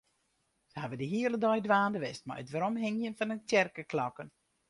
Se hawwe de hiele dei dwaande west mei it weromhingjen fan de tsjerkeklokken.